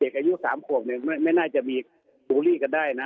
เด็กอายุ๓ขวบนึงไม่น่าจะมีบูรีกันได้นะ